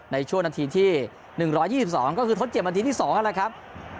ในช่วงนาทีที่๑๒๒ก็คือทดเจ็บนาทีที่๒นั่นแหละครับ